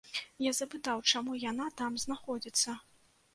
Я запытаў, чаму яна там знаходзіцца.